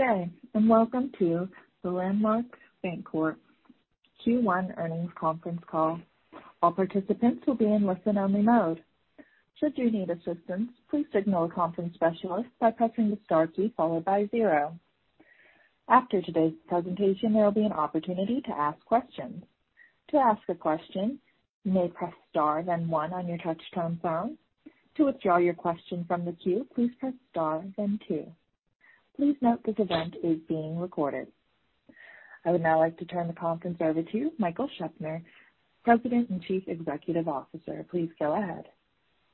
Good day, and welcome to the Landmark Bancorp Q1 Earnings Conference Call. I would now like to turn the conference over to Michael E. Scheopner, President and Chief Executive Officer. Please go ahead.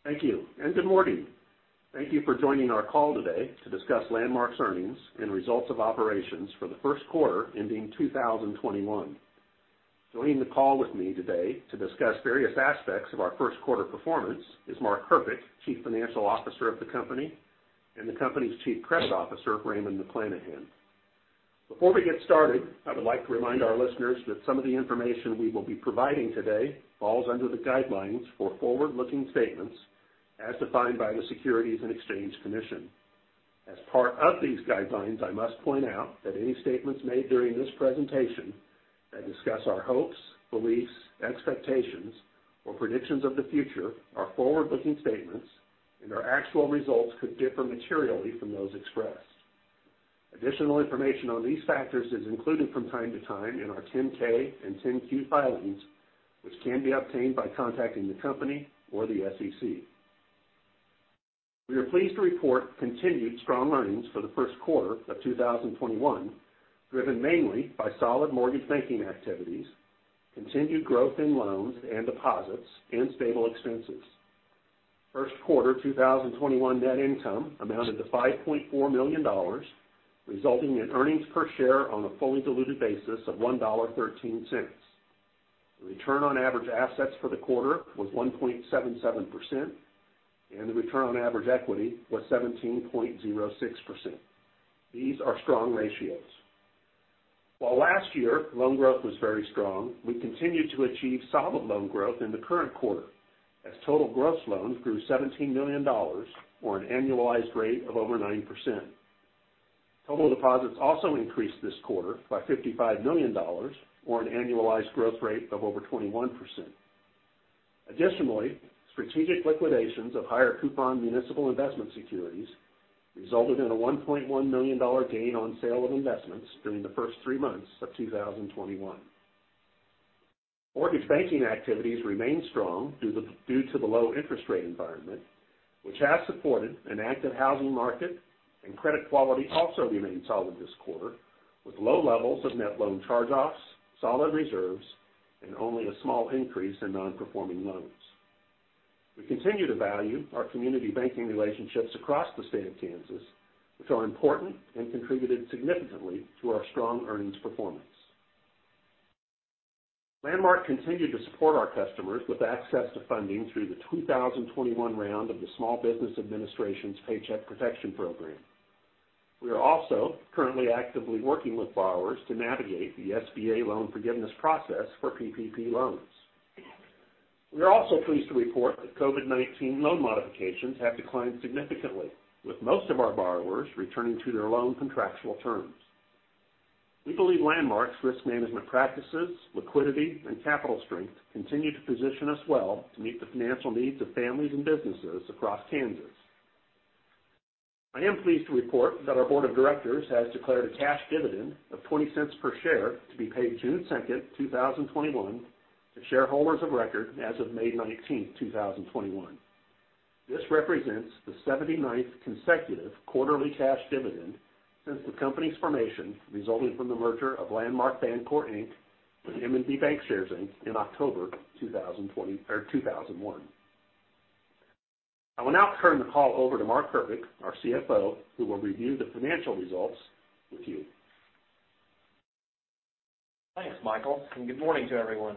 Thank you, and good morning. Thank you for joining our call today to discuss Landmark's earnings and results of operations for the first quarter ending 2021. Joining the call with me today to discuss various aspects of our first quarter performance is Mark Herpich, Chief Financial Officer of the company, and the company's Chief Credit Officer, Raymond McLanahan. Before we get started, I would like to remind our listeners that some of the information we will be providing today falls under the guidelines for forward-looking statements as defined by the Securities and Exchange Commission. As part of these guidelines, I must point out that any statements made during this presentation that discuss our hopes, beliefs, expectations, or predictions of the future are forward-looking statements and our actual results could differ materially from those expressed. Additional information on these factors is included from time to time in our 10-K and 10-Q filings, which can be obtained by contacting the company or the SEC. We are pleased to report continued strong earnings for the first quarter of 2021, driven mainly by solid mortgage banking activities, continued growth in loans and deposits, and stable expenses. First quarter 2021 net income amounted to $5.4 million, resulting in earnings per share on a fully diluted basis of $1.13. The return on average assets for the quarter was 1.77%, and the return on average equity was 17.06%. These are strong ratios. While last year loan growth was very strong, we continued to achieve solid loan growth in the current quarter as total gross loans grew $17 million, or an annualized rate of over 9%. Total deposits also increased this quarter by $55 million, or an annualized growth rate of over 21%. Additionally, strategic liquidations of higher coupon municipal investment securities resulted in a $1.1 million gain on sale of investments during the first three months of 2021. Mortgage banking activities remain strong due to the low interest rate environment, which has supported an active housing market, and credit quality also remained solid this quarter, with low levels of net loan charge-offs, solid reserves, and only a small increase in non-performing loans. We continue to value our community banking relationships across the state of Kansas, which are important and contributed significantly to our strong earnings performance. Landmark continued to support our customers with access to funding through the 2021 round of the Small Business Administration's Paycheck Protection Program. We are also currently actively working with borrowers to navigate the SBA loan forgiveness process for PPP loans. We are also pleased to report that COVID-19 loan modifications have declined significantly, with most of our borrowers returning to their loan contractual terms. We believe Landmark's risk management practices, liquidity, and capital strength continue to position us well to meet the financial needs of families and businesses across Kansas. I am pleased to report that our board of directors has declared a cash dividend of $0.20 per share to be paid June 2nd, 2021, to shareholders of record as of May 19th, 2021. This represents the 79th consecutive quarterly cash dividend since the company's formation resulting from the merger of Landmark Bancorp, Inc. with MNB Bancshares, Inc. in October 2001. I will now turn the call over to Mark Herpich, our CFO, who will review the financial results with you. Thanks, Michael, and good morning to everyone.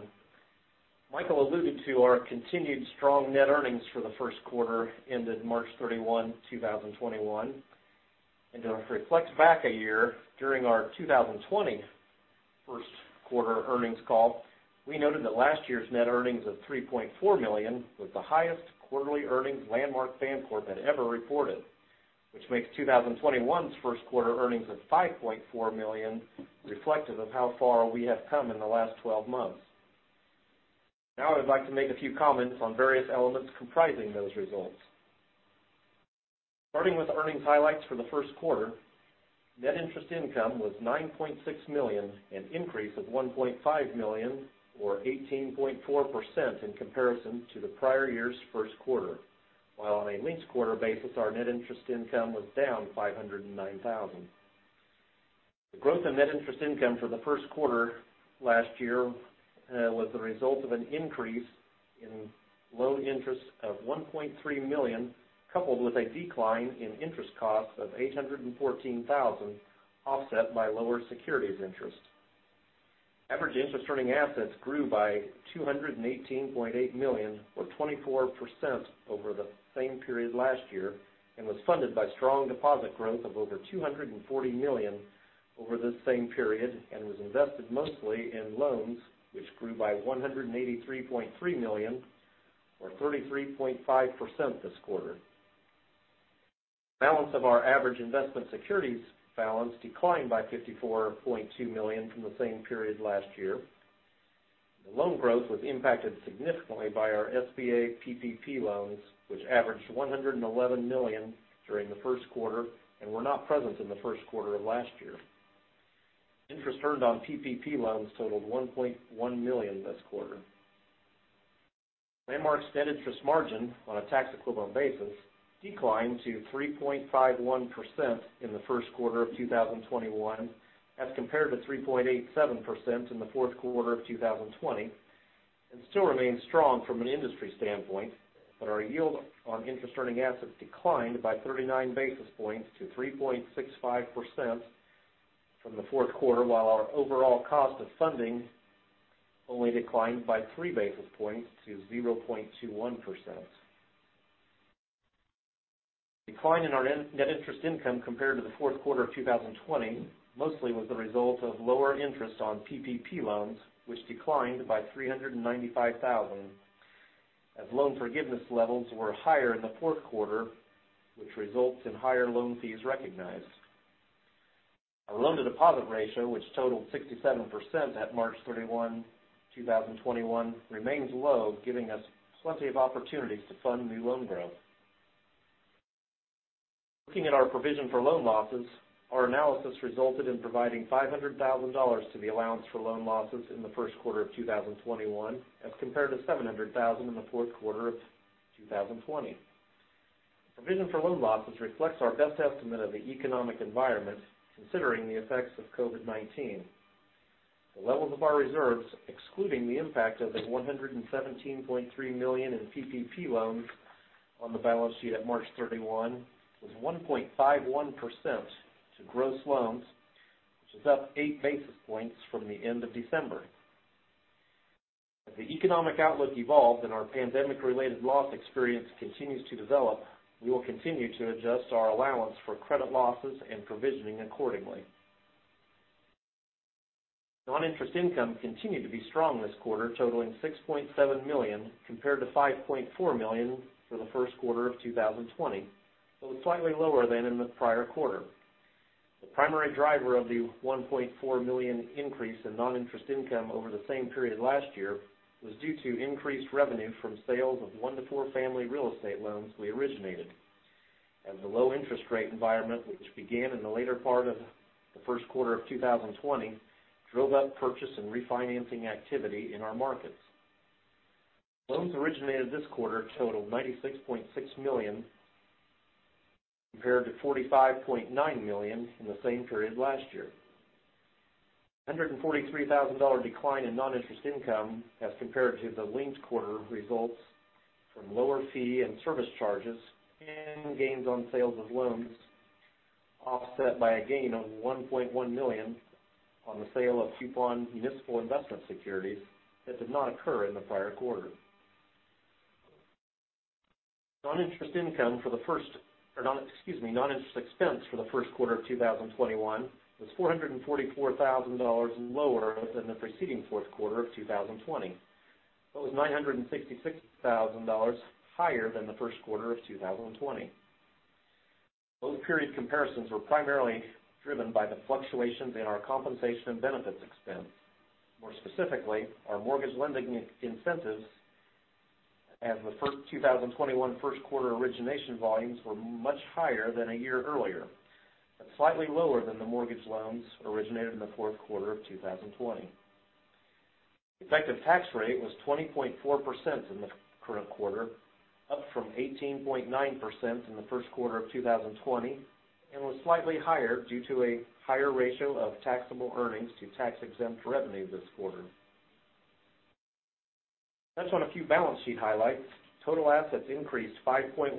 Michael alluded to our continued strong net earnings for the first quarter ended March 31, 2021, and to reflect back a year, during our 2020 first quarter earnings call, we noted that last year's net earnings of $3.4 million was the highest quarterly earnings Landmark Bancorp had ever reported, which makes 2021's first quarter earnings of $5.4 million reflective of how far we have come in the last 12 months. I would like to make a few comments on various elements comprising those results. Starting with earnings highlights for the first quarter, net interest income was $9.6 million, an increase of $1.5 million or 18.4% in comparison to the prior year's first quarter. While on a linked quarter basis, our net interest income was down $509,000. The growth in net interest income for the first quarter last year was the result of an increase in loan interest of $1.3 million, coupled with a decline in interest costs of $814,000, offset by lower securities interest. Average interest earning assets grew by $218.8 million or 24% over the same period last year and was funded by strong deposit growth of over $240 million over this same period and was invested mostly in loans, which grew by $183.3 million or 33.5% this quarter. Balance of our average investment securities balance declined by $54.2 million from the same period last year. The loan growth was impacted significantly by our SBA PPP loans, which averaged $111 million during the first quarter and were not present in the first quarter of last year. Interest earned on PPP loans totaled $1.1 million this quarter. Landmark's net interest margin on a tax equivalent basis declined to 3.51% in the first quarter of 2021 as compared to 3.87% in the fourth quarter of 2020, and still remains strong from an industry standpoint, but our yield on interest-earning assets declined by 39 basis points to 3.65% from the fourth quarter, while our overall cost of funding only declined by three basis points to 0.21%. Decline in our net interest income compared to the fourth quarter of 2020 mostly was the result of lower interest on PPP loans, which declined by $395,000, as loan forgiveness levels were higher in the fourth quarter, which results in higher loan fees recognized. Our loan-to-deposit ratio, which totaled 67% at March 31, 2021, remains low, giving us plenty of opportunities to fund new loan growth. Looking at our provision for loan losses, our analysis resulted in providing $500,000 to the allowance for loan losses in the first quarter of 2021, as compared to $700,000 in the fourth quarter of 2020. Provision for loan losses reflects our best estimate of the economic environment considering the effects of COVID-19. The levels of our reserves, excluding the impact of the $117.3 million in PPP loans on the balance sheet at March 31, was 1.51% to gross loans, which is up eight basis points from the end of December. As the economic outlook evolves and our pandemic-related loss experience continues to develop, we will continue to adjust our allowance for credit losses and provisioning accordingly. Non-interest income continued to be strong this quarter, totaling $6.7 million, compared to $5.4 million for the first quarter of 2020, though it's slightly lower than in the prior quarter. The primary driver of the $1.4 million increase in non-interest income over the same period last year was due to increased revenue from sales of one to four-family real estate loans we originated, as the low interest rate environment, which began in the later part of the first quarter of 2020, drove up purchase and refinancing activity in our markets. Loans originated this quarter totaled $96.6 million, compared to $45.9 million in the same period last year. $143,000 decline in non-interest income as compared to the linked quarter results from lower fee and service charges and gains on sales of loans offset by a gain of $1.1 million on the sale of coupon municipal investment securities that did not occur in the prior quarter. Non-interest expense for the first quarter of 2021 was $444,000 lower than the preceding fourth quarter of 2020. That was $966,000 higher than the first quarter of 2020. Both period comparisons were primarily driven by the fluctuations in our compensation and benefits expense. More specifically, our mortgage lending incentives as the 2021 first quarter origination volumes were much higher than a year earlier, but slightly lower than the mortgage loans originated in the fourth quarter of 2020. Effective tax rate was 20.4% in the current quarter, up from 18.9% in the first quarter of 2020, and was slightly higher due to a higher ratio of taxable earnings to tax-exempt revenue this quarter. Touch on a few balance sheet highlights. Total assets increased 5.1%,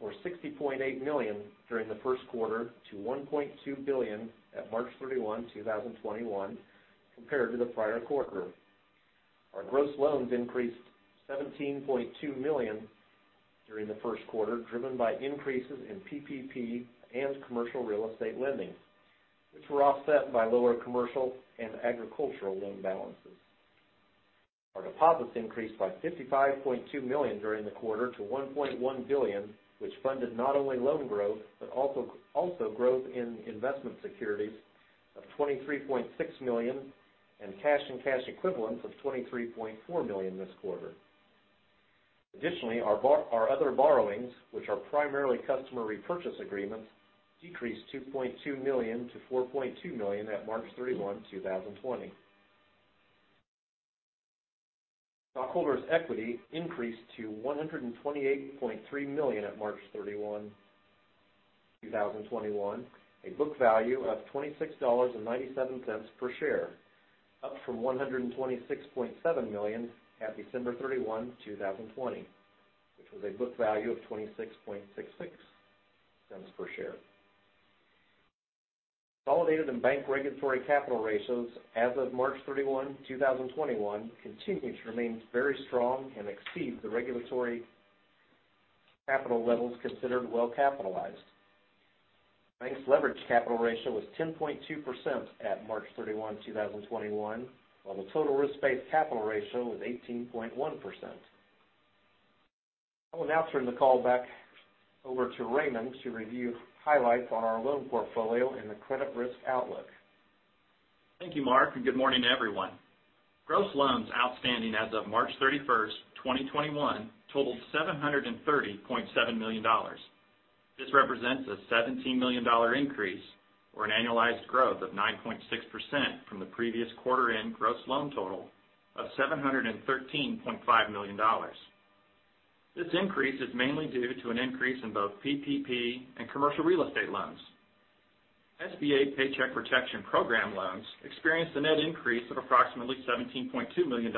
or $60.8 million during the first quarter to $1.2 billion at March 31, 2021, compared to the prior quarter. Our gross loans increased $17.2 million during the first quarter, driven by increases in PPP and commercial real estate lending, which were offset by lower commercial and agricultural loan balances. Our deposits increased by $55.2 million during the quarter to $1.1 billion, which funded not only loan growth, but also growth in investment securities of $23.6 million, and cash and cash equivalents of $23.4 million this quarter. Our other borrowings, which are primarily customer repurchase agreements, decreased $2.2 million to $4.2 million at March 31, 2020. Stockholders' equity increased to $128.3 million at March 31, 2021, a book value of $26.97 per share, up from $126.7 million at December 31, 2020, which was a book value of $26.66 per share. Consolidated and bank regulatory capital ratios as of March 31, 2021, continues to remain very strong and exceeds the regulatory capital levels considered well-capitalized. Bank's leverage capital ratio was 10.2% at March 31, 2021, while the total risk-based capital ratio was 18.1%. I will now turn the call back over to Raymond to review highlights on our loan portfolio and the credit risk outlook. Thank you, Mark, and good morning to everyone. Gross loans outstanding as of March 31st, 2021 totaled $730.7 million. This represents a $17 million increase or an annualized growth of 9.6% from the previous quarter-end gross loan total of $713.5 million. This increase is mainly due to an increase in both PPP and commercial real estate loans. SBA Paycheck Protection Program loans experienced a net increase of approximately $17.2 million,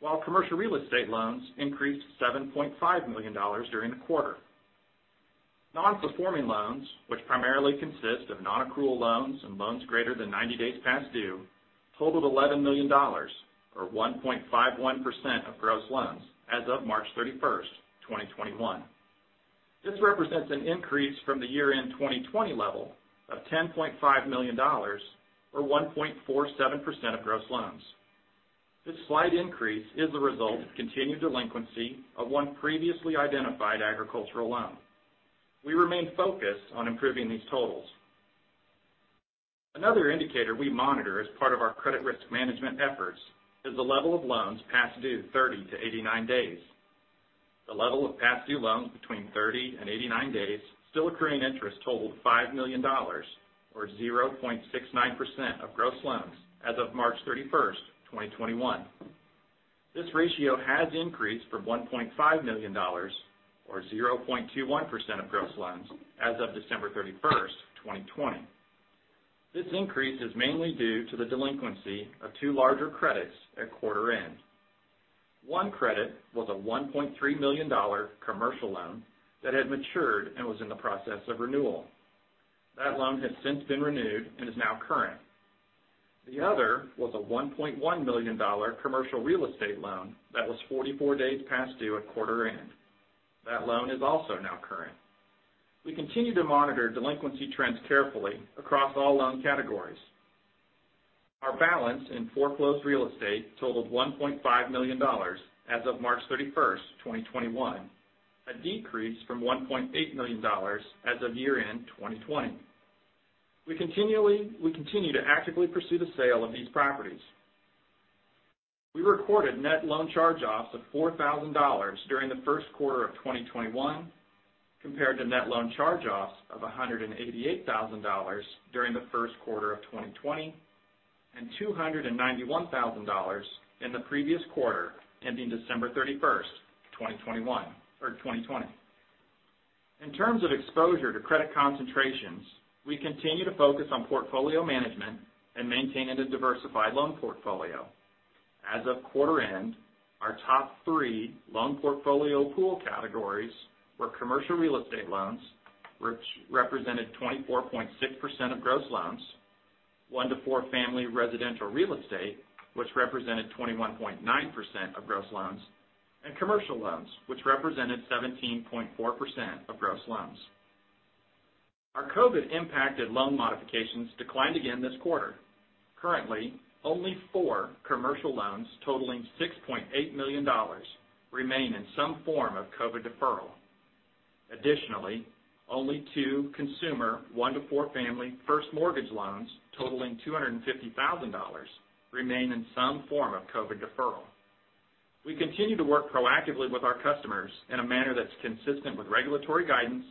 while commercial real estate loans increased $7.5 million during the quarter. Non-performing loans, which primarily consist of non-accrual loans and loans greater than 90 days past due, totaled $11 million, or 1.51% of gross loans as of March 31st, 2021. This represents an increase from the year-end 2020 level of $10.5 million, or 1.47% of gross loans. This slight increase is the result of continued delinquency of one previously identified agricultural loan. We remain focused on improving these totals. Another indicator we monitor as part of our credit risk management efforts is the level of loans past due 30 to 89 days. The level of past due loans between 30 and 89 days still accruing interest totaled $5 million, or 0.69% of gross loans as of March 31st, 2021. This ratio has increased from $1.5 million, or 0.21% of gross loans as of December 31st, 2020. This increase is mainly due to the delinquency of two larger credits at quarter end. One credit was a $1.3 million commercial loan that had matured and was in the process of renewal. That loan has since been renewed and is now current. The other was a $1.1 million commercial real estate loan that was 44 days past due at quarter end. That loan is also now current. We continue to monitor delinquency trends carefully across all loan categories. Our balance in foreclosed real estate totaled $1.5 million as of March 31st, 2021, a decrease from $1.8 million as of year-end 2020. We continue to actively pursue the sale of these properties. We recorded net loan charge offs of $4,000 during the first quarter of 2021, compared to net loan charge-offs of $188,000 during the first quarter of 2020, and $291,000 in the previous quarter ending December 31st, 2020. In terms of exposure to credit concentrations, we continue to focus on portfolio management and maintaining a diversified loan portfolio. As of quarter end, our top three loan portfolio pool categories were commercial real estate loans, which represented 24.6% of gross loans, one to four family residential real estate, which represented 21.9% of gross loans, and commercial loans, which represented 17.4% of gross loans. Our COVID-impacted loan modifications declined again this quarter. Currently, only four commercial loans totaling $6.8 million remain in some form of COVID-19 deferral. Additionally, only two consumer one to four family first mortgage loans totaling $250,000 remain in some form of COVID-19 deferral. We continue to work proactively with our customers in a manner that's consistent with regulatory guidance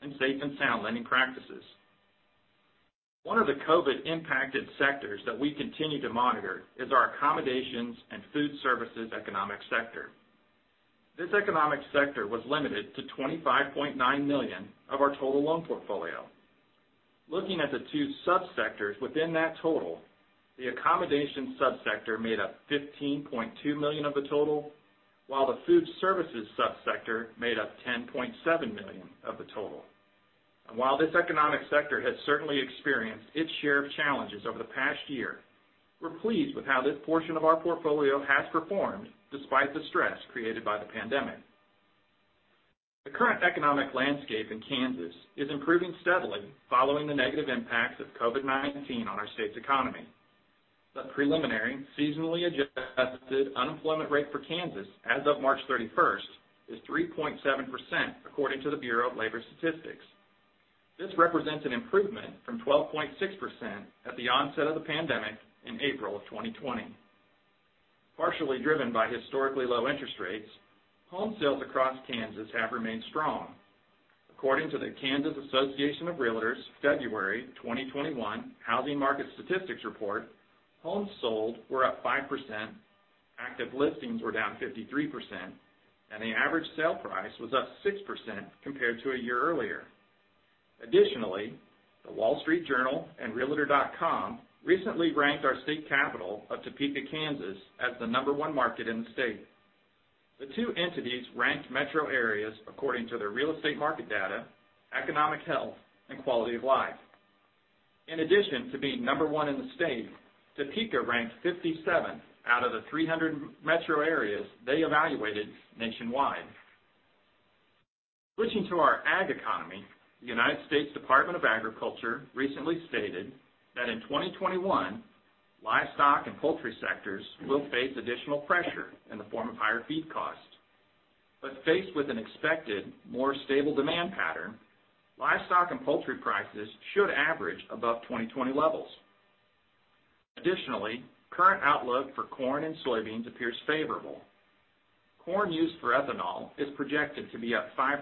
and safe and sound lending practices. One of the COVID impacted sectors that we continue to monitor is our accommodations and food services economic sector. This economic sector was limited to $25.9 million of our total loan portfolio. Looking at the two sub-sectors within that total, the accommodation sub-sector made up $15.2 million of the total, while the food services sub-sector made up $10.7 million of the total. While this economic sector has certainly experienced its share of challenges over the past year, we're pleased with how this portion of our portfolio has performed despite the stress created by the pandemic. The current economic landscape in Kansas is improving steadily following the negative impacts of COVID-19 on our state's economy. The preliminary, seasonally adjusted unemployment rate for Kansas as of March 31st is 3.7%, according to the Bureau of Labor Statistics. This represents an improvement from 12.6% at the onset of the pandemic in April of 2020. Partially driven by historically low interest rates, home sales across Kansas have remained strong. According to the Kansas Association of Realtors' February 2021 housing market statistics report, homes sold were up 5%, active listings were down 53%, and the average sale price was up 6% compared to a year earlier. The Wall Street Journal and realtor.com recently ranked our state capital of Topeka, Kansas, as the number one market in the state. The two entities ranked metro areas according to their real estate market data, economic health, and quality of life. In addition to being number one in the state, Topeka ranked 57 out of the 300 metro areas they evaluated nationwide. Switching to our ag economy, the United States Department of Agriculture recently stated that in 2021, livestock and poultry sectors will face additional pressure in the form of higher feed costs. Faced with an expected more stable demand pattern, livestock and poultry prices should average above 2020 levels. Current outlook for corn and soybeans appears favorable. Corn used for ethanol is projected to be up 5%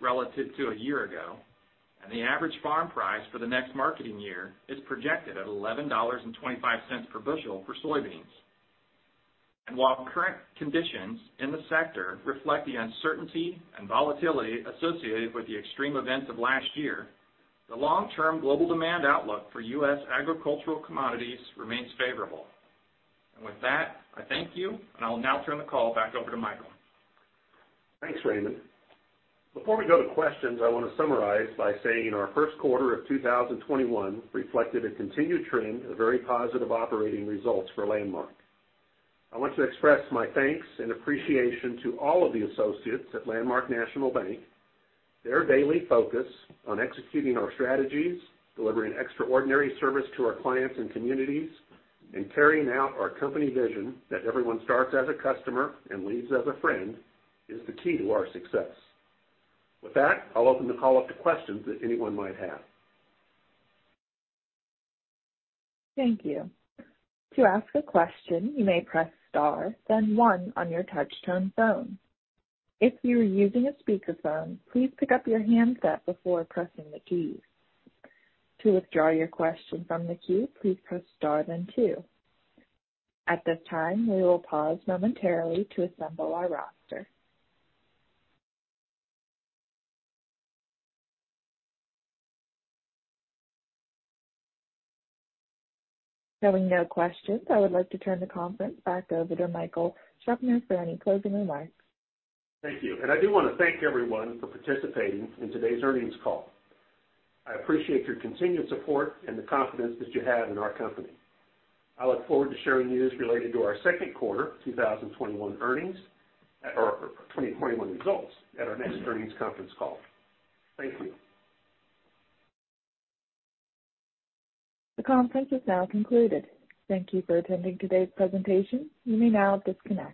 relative to a year ago, the average farm price for the next marketing year is projected at $11.25 per bushel for soybeans. While current conditions in the sector reflect the uncertainty and volatility associated with the extreme events of last year, the long-term global demand outlook for U.S. agricultural commodities remains favorable. With that, I thank you, and I will now turn the call back over to Michael. Thanks, Raymond. Before we go to questions, I want to summarize by saying our first quarter of 2021 reflected a continued trend of very positive operating results for Landmark. I want to express my thanks and appreciation to all of the associates at Landmark National Bank. Their daily focus on executing our strategies, delivering extraordinary service to our clients and communities, and carrying out our company vision that everyone starts as a customer and leaves as a friend, is the key to our success. With that, I'll open the call up to questions that anyone might have. Thank you. To ask a question, you may press star, then one on your touch-tone phone. If you are using a speakerphone, please pick up your handset before pressing the keys. To withdraw your question from the queue, please press star then two. At this time, we will pause momentarily to assemble our roster. Having no questions, I would like to turn the conference back over to Michael E. Scheopner for any closing remarks. Thank you. I do want to thank everyone for participating in today's earnings call. I appreciate your continued support and the confidence that you have in our company. I look forward to sharing news related to our second quarter 2021 earnings or 2021 results at our next earnings conference call. Thank you. The conference is now concluded. Thank you for attending today's presentation. You may now disconnect.